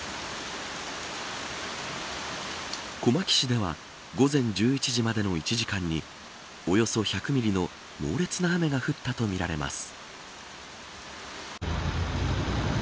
小牧市では午前１１時までの１時間におよそ１００ミリの猛烈な雨が降ったとみられます。